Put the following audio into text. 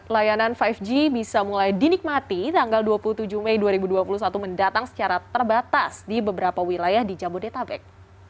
layanan lima g bisa mulai dinikmati tanggal dua puluh tujuh mei dua ribu dua puluh satu mendatang secara terbatas di beberapa wilayah di jabodetabek